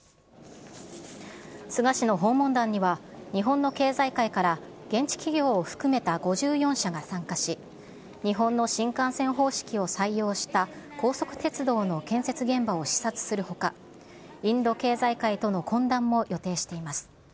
菅氏の訪問団には、日本の経済界から現地企業を含めた５４社が参加し、日本の新幹線方式を採用した高速鉄道の建設現場を視察するほか、インド経済界との懇談も予定しています。